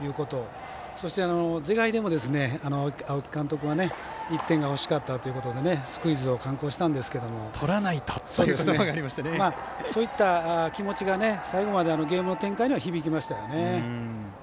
そして、是が非でも青木監督は１点が欲しかったということでスクイズを敢行したんですけどそういった気持ちが最後までゲームの展開には響きましたよね。